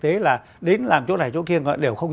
thế là đến làm chỗ này chỗ kia đều không